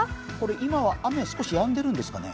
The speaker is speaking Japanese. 今は雨、少しやんでいるんですかね？